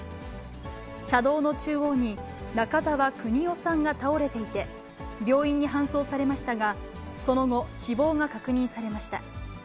車道の中央に、中沢国夫さんが倒れていて、病院に搬送されましたが、その後、死亡が確認されました。